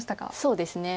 そうですね。